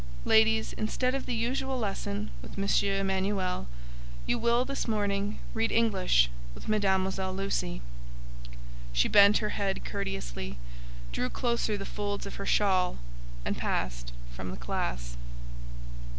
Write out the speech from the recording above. Ladies, instead of the usual lesson with M. Emanuel, you will, this morning, read English with Mademoiselle Lucy." She bent her head courteously, drew closer the folds of her shawl, and passed from the classe.